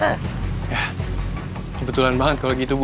kebetulan banget kalau gitu bu